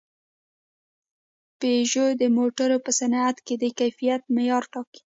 پيژو د موټرو په صنعت کې د کیفیت معیار ټاکي.